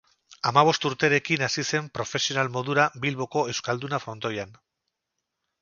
Hamabost urterekin hasi zen profesional modura Bilboko Euskalduna frontoian.